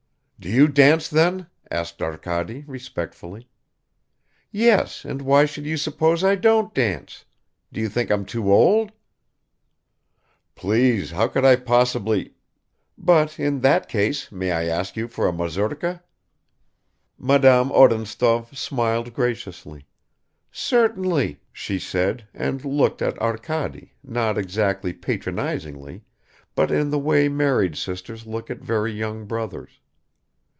"Do you dance then?" asked Arkady respectfully. "Yes, and why should you suppose I don't dance? Do you think I'm too old?" "Please, how could I possibly ... but in that case may I ask you for a mazurka?" Madame Odintsov smiled graciously. "Certainly," she said, and looked at Arkady, not exactly patronizingly but in the way married sisters look at very young brothers.